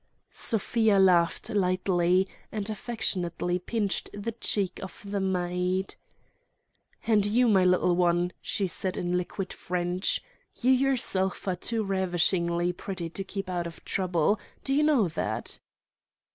Sofia laughed lightly, and affectionately pinched the cheek of the maid. "And you, my little one," she said in liquid French—"you yourself are too ravishingly pretty to keep out of trouble. Do you know that?"